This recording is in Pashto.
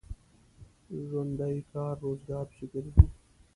ژوندي کار روزګار پسې ګرځي